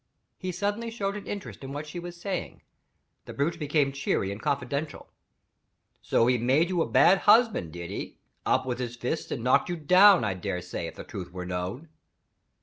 He suddenly showed an interest in what she was saying: the brute became cheery and confidential. "So he made you a bad husband, did he? Up with his fist and knocked you down, I daresay, if the truth was known?"